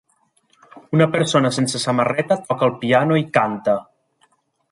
Una persona sense samarreta toca el piano i canta.